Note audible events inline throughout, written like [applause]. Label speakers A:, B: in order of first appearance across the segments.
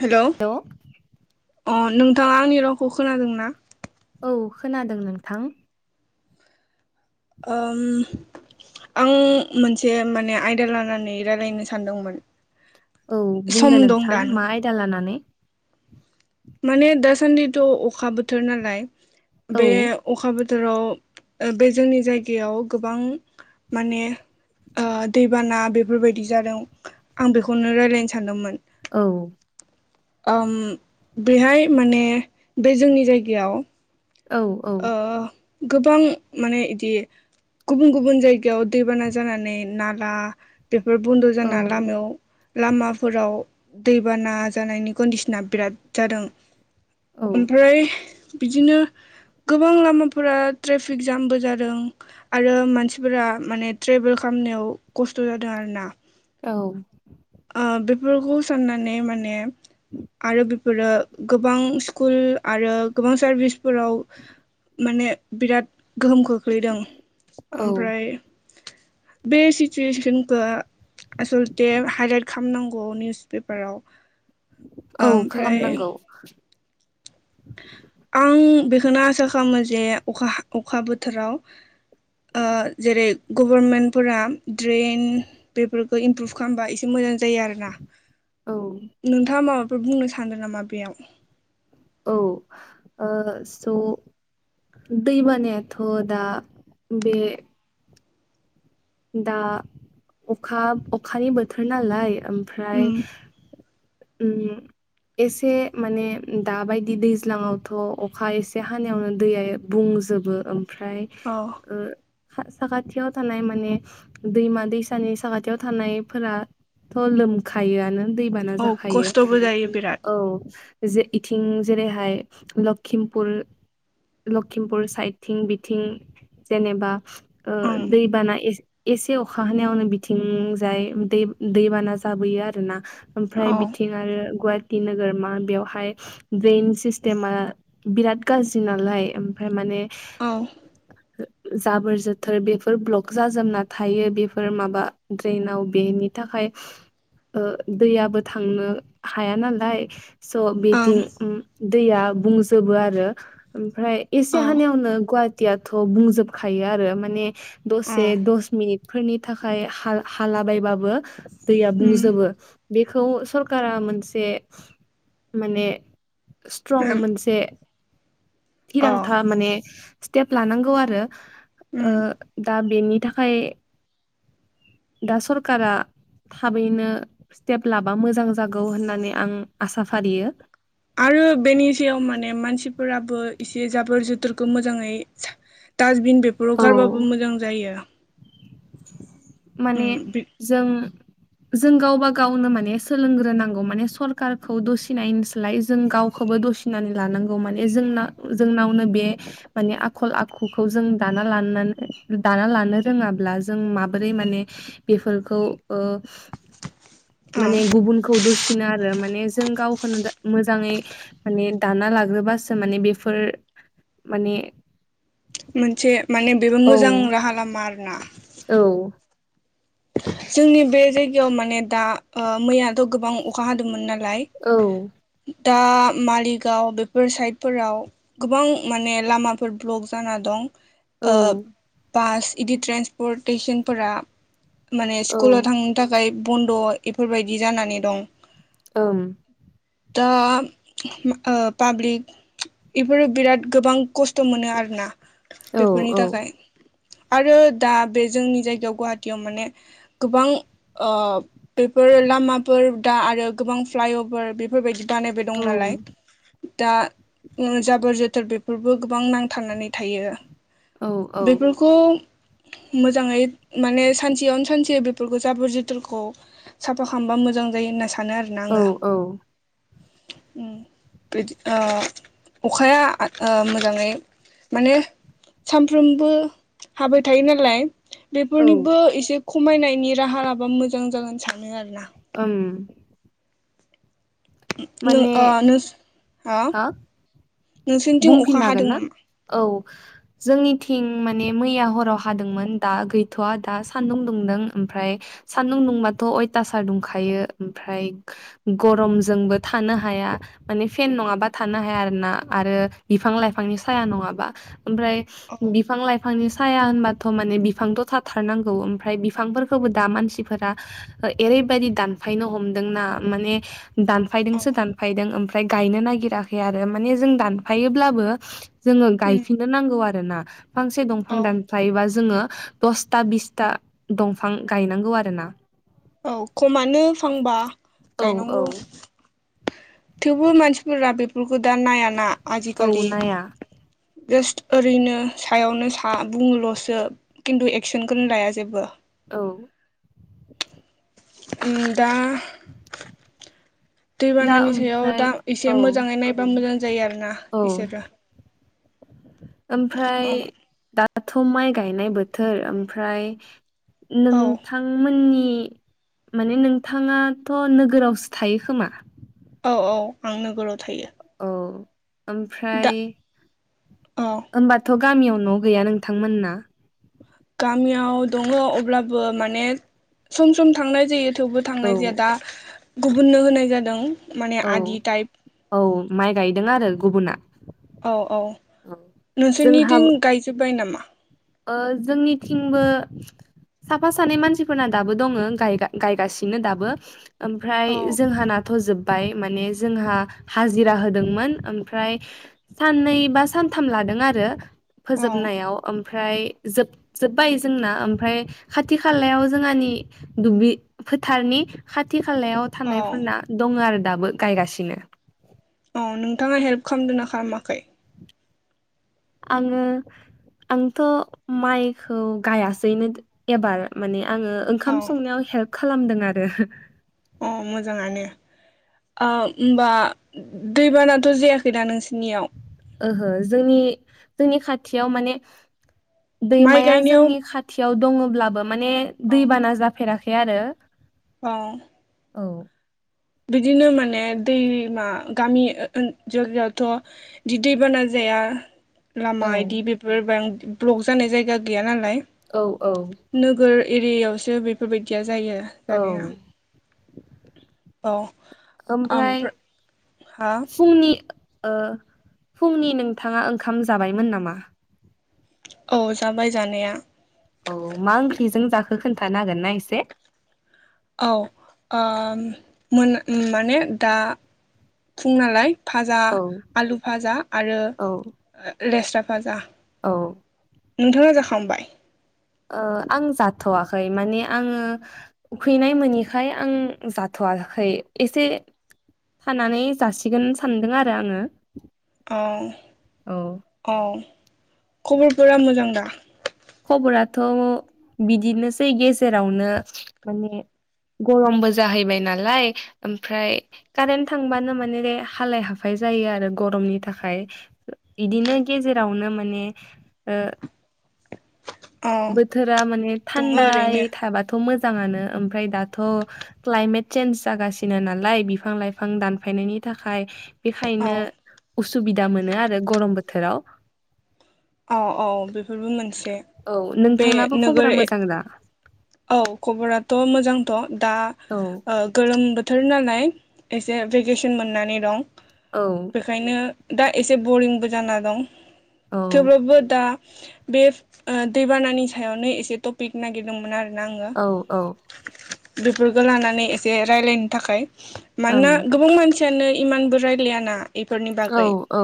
A: Hello
B: hello
A: अह नोंथाङा आंनि रावखौ खोनादों ना?
B: औ खोनादों नोंथां।
A: ओम आं मोनसे माने आयदा लानानै रायलायनो सानदोंमोन
B: औ
A: सम
B: बुंदो
A: दं
B: नोंथां
A: दा
B: मा आयदा लानानै
A: माने दासान्दिथ' अखा बोथोर नालाय
B: औ
A: बे अखा बोथोर थोराव बे जोंनि जायगायाव गोबां माने ओ दैबाना बेफोरबायदि जादों आं बेखौनो रायलायनो सानदोंमोन
B: औ
A: ओम बेहाय माने बे जोंनि जायगायाव
B: औ औ
A: ओ गोबां माने इदि गुबुन गुबुन जायगायाव दैबाना जानानै नाला बेफोर बन्द'
B: औ
A: जाना लामायाव लामाफोराव दैबाना जानायनि कन्डिसना बिराद जादों।
B: औ
A: ओमफ्राय बिदिनो गोबां लामाफोरा ट्रेफिक जामबो जादों आरो मानसिफोरा माने ट्रेभेल खालाम नायाव खस्थ' जादों आरोना।
B: औ
A: ओ बेफोरखौ साननानै माने आरो बेफो फोरो गोबां स्कुल आरो गोबां सारभिसफोराव माने बिराद गोहोम खोख्लैदों
B: औ
A: ओमफ्राय बे सितुवेसनखौ आसलते ग निउस पेपाराव
B: औ
A: ओमफ्राय
B: खालामनांगौ
A: आं बेखौनो आसा खालामो जे अखा अखा बोथोराव ओ जेरै गभर्मेन्टफोरा ड्रेन बेफोरखौ इमप्रुभ खालामबा एसे मोजां जायो आरोना
B: औ
A: नोंथाङा माबाफोर बुंनो सानदों नामा बेयाव?
B: औ ओ स दै बानायाथ' दा बे दा अखा अखानि बोथोर नालाय ओमफ्राय
A: उम
B: उम एसे माने दाबायदि दैज्लाङावथ' अखा एसे हानायावनो दैया बुं जोबो ओमफ्राय
A: औ
B: साखाथियाव थानाय माने दैमा दैसानि साखाथियाव थानायफोराथ लोमखायोआनो। दैबाना
A: औ
B: जाखायो
A: खस्थ'बो जायो बिराद
B: औ। जे इथिं जेरैहाय लषिमपुर लक्षिमपुर साइदथिं बिथिं जेनेबा ओ
A: ओं
B: दैबाना ए एसे अखा हानायायावनो बिथिंजाय दै दैबाना जाबोयो आरोना। ओमफ्राय
A: औ
B: बिथिं आरो गुवा हाटि नोगोरमा बेवहाय ड्रेन सिस्टेमा बिराद गाज्रि नालाय ओमफ्राय माने
A: औ
B: जाबोर जोथोर बेफोर ब्लक जाजोबना थायो बेफोर माबा ड्रेनाव बेनि थाखाय ओ दैयाबो थांनो हाया नालाय स'
A: ओं
B: बिथिं दैया बुंजोबो आरो ओमफ्राय एसे
A: औ
B: हानायावनो गुवाहाटियाथ' बुंजोबखायो आरो माने
A: अ
B: दसे दस फोरनि थाखाय हाल हाला बायबाबो दैया
A: उम
B: बुंजोबो। बेखौ सरकारा मोनसे माने स्ट्रं मोनसे
A: अ
B: थिरांथा माने स्टेप लानांगौ आरो ओ
A: उम
B: दा बेनि खाय दा सरकारा थाबैनो स्टेप लाबा मोजां जागौ होननानै आं आसा फारियो।
A: आरो बेनि सायाव माने मानसि फोराबो इसे जाबोर जथोरखौ मोजाङै डास बिन बेफोराव गारबाबो मोजां जायो।
B: माने
A: ओं
B: जों जों गावबा गावनो माने सोलोंग्रोनांगौ माने सरखारारखौ दसि नायनिसोलाय जों गावखौबो दसिनानै लांगौ माने जोंनावनो बे आखल आखुखौ जों दाना ला नानै लानो रोङाब्ला जों माबोरै माने बेफोरखौ ओ माने गुबुनखौ दु नो आरो माने जों गावखौनो मोजाङै माने दाना लाग्रोबासो माने बेफोर माने
A: मोनसे माने बेबो
B: औ
A: मोजां राहा लामा आरोना
B: औ
A: जोंनि बे जायगायाव माने दा ओ मैया थ' गोबां अखा हादोंमोन नालाय
B: औ
A: दा मालिगाव बेफोर साइडफोराव गोबां माने लामाफोर ब्लक जाना दं
B: औ
A: बास इदि ट्रेन्सपर्टेसनफोरा माने स्कुलाव थांनो थाखाय बन्द' इफोरबायदि जानानै दं
B: ओम
A: दा ओ पाब्लिक इफोरो बिराद गोबां खस्थ' मोनो आरो ना
B: औ
A: बेफोरनि थाखाय आरो दा बे जोंनि जायगायाव गुवाहाटियाव माने गोबां ओ बेफोर लामाफोर दा आरो गोबां फ्लाइअभार बेफोरबायदि बानायबाय
B: औ
A: दं नालाय दा जाबोर जोथोर बेफोरबो गोबां नांथाबनानै थायो
B: औ
A: बेफोरखौ मोजाङै माने सानसेयावनो सानसे बेफोरखौ जाबोर जोथोरखौ साफा खालामबा मोजां जायो होनना सानो सानो आरो ना
B: औ
A: आङो
B: औ
A: ओ बिदि अखाया मोजाङै माने सानफ्रोमबो हाबाय थायो नालाय
B: औ
A: बेफोरनिबो एसे खमायनायनि राहा लाबा मोजां जागोन सानो आरो ना
B: ओम
A: नों
B: माने
A: ओ नोंसोरनिथिं
B: बुंफिन
A: अखा
B: नों हागोन
A: हादों
B: ना
A: नामा
B: औ जोंनिथिं माने मैया हराव हादोंमोन दा गैथ'वा दा सान्दुं दुंदों ओमफ्राय सानदुं दुंबा थ' अयथासार दुंखायो ओमफ्राय गमजोंबो थानो हाया माने फेन नङाबा थानो हाया आरो ना आरो बिफां लाइफांनि साया नङाबा ओमफ्राय
A: औ
B: बिफां लाइफां लाइफांनि साया होनबाथ' माने बिफांथ' थाथारनांगौ ओमफ्राय बिफांफोरखौबो दा मानसिफोरा ओरैबायदि दानफायनो हमदोंना माने दान
A: औ
B: दानफायदोंसो दानफायदों ओमफ्राय गायनो नागिराखै आरो माने जों दानफायोब्लाबो जोङो
A: उम
B: गायफिननो नांगौ आरो ना फांसे
A: औ
B: दंफां दानफायोबा जोङो दसथा बिसथा दंफां गायनांगौ आरोना
A: औ खमानो फांबा
B: औ औ
A: गायनांगौ थेवबो मानसिफोरा बेफोरखौ दा नायाना
B: औ
A: आजिखालि
B: नाया
A: जास्ट ओरैनो सायावनो सा बुङोल'सो खिन्थु एक्सनखौनो लाया जेबो
B: औ
A: ओम दा
B: [inaudible] दा
A: दैबानानि सायाव
B: ओमफ्राय
A: दा एसे
B: औ
A: मोजाङै नायबा मोजां जायो आरोना
B: औ
A: बिसोरो
B: ओमफ्राय
A: औ
B: दाथ' माइ गायनाय बोथोर ओमफ्राय
A: औ
B: नोंथांमोननि माने नोंथाङाथ' नोगोरावसो थायो खोमा
A: औ औ आं नोगोराव थायो
B: अह
A: दा
B: ओमफ्राय
A: औ
B: होनबाथ' गामियाव न' गैया नोंथांमोनना?
A: गामियाव दङो अब्लाबो माने सम सम थांनाय जायो थेवबो
B: औ
A: थांनाय जाया दा गुबुननो होनाय जादों। माने
B: औ
A: आदि टाइप
B: औ माइ गायदों आरो गुबुना
A: औ औ
B: औ जोंहा
A: नोंसोरनिथिं गायजोब्बाय नामा?
B: ओ जोंनिथिंबो साफा सानै मानसिफोरना दाबो दङ गायगासिनो दाबो। ओमफ्राय
A: औ
B: जोंहा नाथ' जोब बबाय माने जोंहा हाजिरा होदोंमोन ओमफ्राय साननै बा सान सानथाम लादों आरो
A: औ
B: फोजोबनायाव ओम ओमफ्राय जोबजोब्बायबाय जोंना ओमफ्राय खाथि खालायाव जोंहानि दुब्लि फोथारनि खाथि खालायाव
A: औ
B: थानायफोरना दङ आरो दाबो गायगासिनो
A: औ नोंथाङा हेल्प खालामदों ना खालामाखै
B: आङो आंथ' माइखौ गायासैनो एबार माने आङो
A: औ
B: ओंखाम संनायाव हेल्प खालामदों आरो।
A: अ मोजाङानो ओ होमबा दैबानाथ' जायाखै दा नोंसिनियाव
B: ओहो जोंनि जोंनि खाथियाव माने
A: माइ
B: दैमाया
A: गायनायाव
B: जोंनि खाथियाव दङब्लाबो माने
A: औ
B: दैबाना जाफेराखै यै आरो
A: औ
B: औ
A: बिदिनो माने दैमा गामि जायगायावथ' इदि दैबाना जायाखै या
B: औ
A: लामा इदि बेफोर ब ब्लक जानाय जायगा गैया नालाय।
B: औ औ
A: नोगोर एरियायावसो बेफोरबायदिया जायो
B: औ
A: जानाया। औ
B: ओमफ्राय
A: हा
B: फुंनि ओ फुंनि नोंथाङा ओंखाम जाबायमोन नामा?
A: औ जाबाय जानाया
B: औ मा ओंख्रिजों जाखो खोन्थानो हागोनना एसे?
A: औ ओ मोना माने दा फुं नालाय। फाजा
B: औ
A: आलु भाजा आरो
B: औ
A: लेस्रा फाजा
B: औ
A: नोंथाङा जाखांबाय?
B: ओ आं जाथ'वाखै माने आङो उखैनाय मोनिखाय आं जाथ' वाखै एसे थानानै जासिगोन सानदों आरो आङो।
A: औ औ खबरफोरा मोजां दा?
B: खबराथ' बिदिनोसै गेजेरावनो माने गरमबो जाहैबाय नालाय ओमफ्राय कारेन्ट थांबानो माने हालाय हाफाय जायो आरो गरमनि थाखाय बिदिनो गेजेरावनो माने
A: औ
B: बोथोरा माने
A: दङ
B: थान्दायै
A: ओरैनो
B: थाबाथ' मोजां मोजाङानो ओमफ्राय दाथ' क्लाइमेट चेन्ज जागासिनो नालाय बिफां लाइफां दानफायनायनि थाखाय
A: औ
B: बेखायनो उसुबिदा मोनो आरो गरम बोथोराव
A: औ औ बेफोरबो मोनसे
B: औ
A: बे
B: नोंथांनाबो खबरा
A: नोगोर
B: मोजां दा
A: औ खबराथ' मोजांथ' दा
B: औ
A: गोलोम बोथोर बोथोर नालाय एसे भेकेसन मोननानै दं।
B: औ
A: बेखायनो दा एसे बरिंबो जाना दं
B: औ
A: थेवब्लाबो दा बे ओ दैबानानि सायावनो एसे टपिक नागिरदोंमोन आरो।
B: औ औ
A: बेफोरखौ लानानै एसे रायज्लायनो थाखाय
B: ओम
A: मानोना गोबां मानसि यानो इमानबो रायज्लायाना बेफोरनि
B: औ
A: बागै
B: औ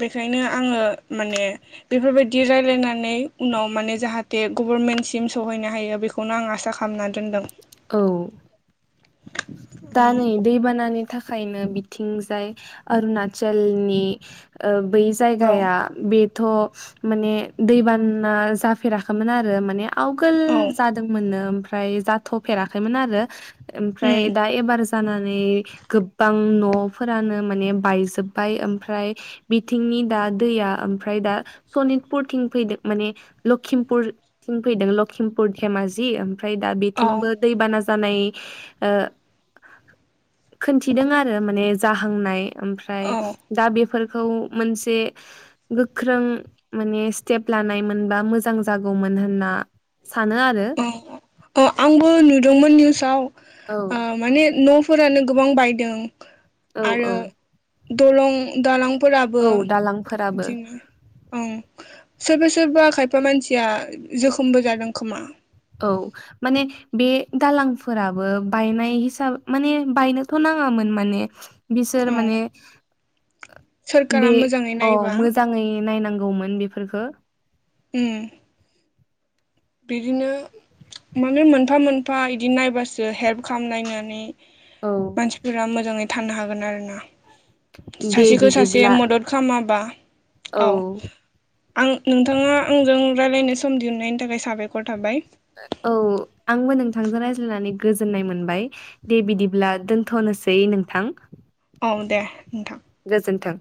A: बेखायनो आङो माने बेफोरबायदि रायज्लायनानै उनाव माने जाहाथे गभर्नमेन्टसिम सहैनो हायो बेखौनो आं आसा खालामनानै
B: औ दा
A: उम
B: नै दैबानानि थाखायनो बिथिंजाय अरुणाचलनि बै
A: औ
B: जायगाया बे थ' माने दैबाना जाफेराखैमोन आरो माने
A: औ
B: आवगोल जादोंमोननो ओमफ्राय जाथ'फेराखैमोन आरो ओमफ्राय
A: उम
B: दा एबार जानानै गोबां न'फोरानो माने बायजोबबाय ओमफ्राय बिथिं दा दै ओमफ्राय दा सनितपुरथिं फैदो माने लक्षिमपुरथिं फैदों लखिमपुर धेमाजि ओमफ्राय दा
A: औ
B: बेथिंबो दैबाना जानाय खोन्थिदों आरो माने जाहांनाय ओमफ्राय
A: औ
B: दा बे फोरखौ मोनसे गोख्रों माने स्टेप लानाय मोनबा मोजां जागौ मोन होनना सानो आरो
A: औ औ आंबो नुदोंमोन निउसाव
B: औ
A: माने न'फोरानो गोबां बायदों
B: औ
A: आरो
B: औ
A: दलं दालांफोराबो
B: औ दालांफोराबो
A: बिदिनो ओं सोरबा सोरबा खायफा मानसिया जोखोमबो जादों खोमा
B: औ माने बे दालांफोराबो बायनाय हिसाब माने बायनोथ' नाङामोन माने बिसोर
A: औ
B: माने बे
A: सोरखारा मोजाङै
B: औ
A: नायोबा
B: मोजाङै नायनांगौमोन बेफोरफोरखौ
A: ओम बिदिनो माने मोनफा मोनफा बिदि नायबासो हेल्प खालामलायनानै
B: औ
A: मानसिफोरा मोजाङै थानो हागोन आरो ना
B: दे
A: सासेखौ सासे
B: बिदिब्ला
A: मदद खालामाबा औ आं नोंथाङा आंजों रायज्लायनो सम दिहुननायनि थाखाय साबायखर थाबाय
B: औ आंबो नोंथांजों रायज्लायनानै गोजोननाय मोनबाय दे बिदिब्ला दोनथ'नो सै नोंथां
A: औ दे नोंथां
B: गोजोन्थों।